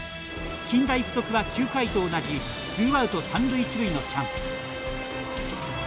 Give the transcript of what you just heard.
近大付属は９回と同じツーアウト、三塁一塁のチャンス。